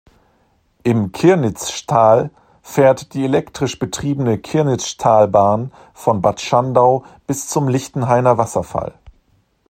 Im Kirnitzschtal fährt die elektrisch betriebene Kirnitzschtalbahn von Bad Schandau bis zum Lichtenhainer Wasserfall.